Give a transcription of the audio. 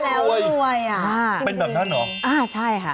เป็นแบบนั้นเหรอใช่ค่ะ